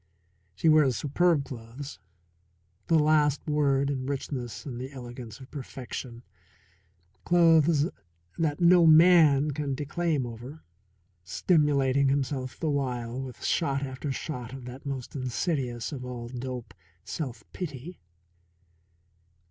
She wears superb clothes the last word in richness and the elegance of perfection clothes that no man can declaim over, stimulating himself the while with shot after shot of that most insidious of all dope, self pity.